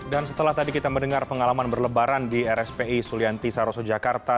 dan setelah tadi kita mendengar pengalaman berlebaran di rspi sulianti saroso jakarta